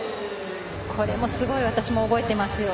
これも私すごい覚えてますよ。